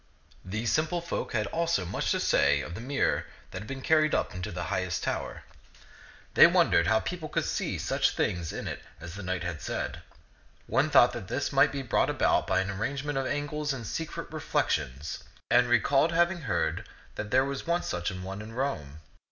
These simple folk had also much to say of the mir ror that had been carried up into the highest tower. They wondered how people could see such things in it as the knight had said. One thought this might be brought about by an arrangement of angles and secret reflections, and recalled having heard that there was once such an one in Rome.